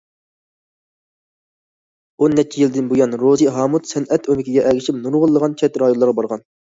ئون نەچچە يىلدىن بۇيان، روزى ھامۇت سەنئەت ئۆمىكىگە ئەگىشىپ نۇرغۇنلىغان چەت رايونلارغا بارغان.